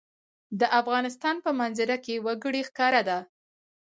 د افغانستان په منظره کې وګړي ښکاره ده.